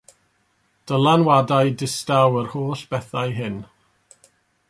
Dylanwadau distaw yr holl bethau hyn.